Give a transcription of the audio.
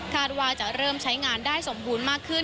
ว่าจะเริ่มใช้งานได้สมบูรณ์มากขึ้น